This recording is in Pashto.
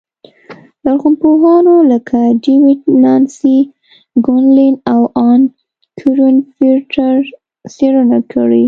لرغونپوهانو لکه ډېوېډ، نانسي ګونلین او ان کورېن فرېټر څېړنه کړې